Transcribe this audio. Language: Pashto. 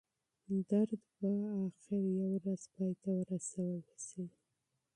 درد به بالاخره یوه ورځ پای ته ورسول شي.